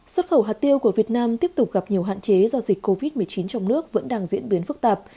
xuất khẩu hạt tiêu của việt nam tiếp tục gặp nhiều hạn chế do dịch covid một mươi chín trong nước vẫn đang diễn biến phức tạp